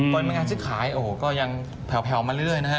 ตอนนั้นที่ขายโอ้โหก็ยังแผ่วมาเรื่อยนะฮะ